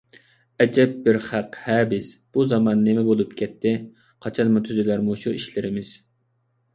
ئەجەب بىر خەق-ھە بىز! بۇ زامان نېمە بولۇپ كەتتى؟ قاچانمۇ تۈزىلەر مۇشۇ ئىشلىرىمىز؟!